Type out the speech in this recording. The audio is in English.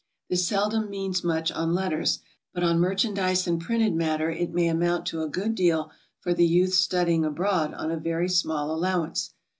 This seldom means much on let ters, but on merchandise and printed matter it may amount to a good deal for the youth studying abro'ad on a very small allowance.